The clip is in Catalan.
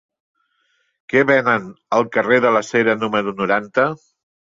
Què venen al carrer de la Cera número noranta?